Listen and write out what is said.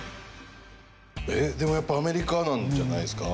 えっでもやっぱアメリカなんじゃないですか？